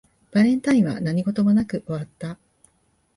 バレンタインは何事もなく終わった